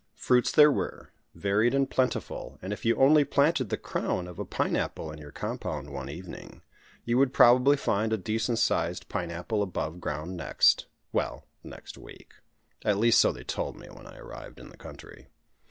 Fruits there were, varied and plentiful; and if you only planted the crown of a pine apple in your compound one evening you would probably find a decent sized pine apple above ground next well, next week. At least so they told me when I arrived in the country.